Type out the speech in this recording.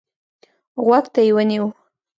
غوږ ته يې ونيو.